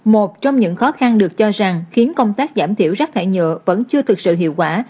một trong những khó khăn được cho rằng khiến công tác giảm thiểu rác thải nhựa vẫn chưa thực sự hiệu quả